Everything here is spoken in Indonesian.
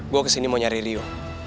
gue kesini mau nyari lio